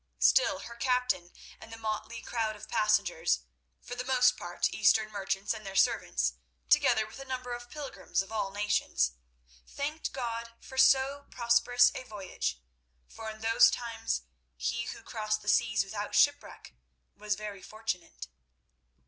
Still, her captain and the motley crowd of passengers—for the most part Eastern merchants and their servants, together with a number of pilgrims of all nations—thanked God for so prosperous a voyage—for in those times he who crossed the seas without shipwreck was very fortunate.